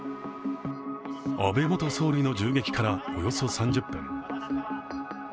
安倍元総理の銃撃からおよそ３０分。